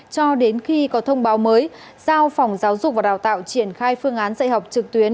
cho đến khi có thông báo mới giao phòng giáo dục và đào tạo triển khai phương án dạy học trực tuyến